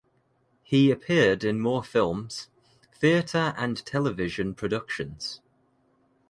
He appeared in more films, theatre and television productions.